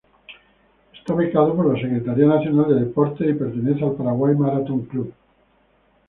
Es becado por la Secretaría Nacional de Deportes y Pertenece al Paraguay Marathon Club.